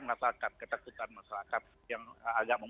pas kisahan gesehen ini tuh